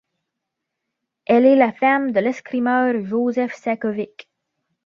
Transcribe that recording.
Elle est la femme de l'escrimeur József Sákovics.